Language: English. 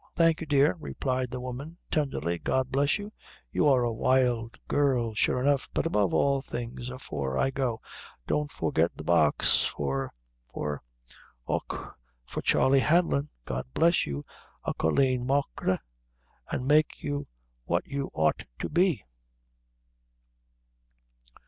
"Thank you, dear," replied the woman, tenderly; "God bless you; you are a wild girl, sure enough; but above all things, afore I go, don't forget the box for for och, for Charley Hanlon. God bless you, a colleen machree, an' make you what you ought to be!"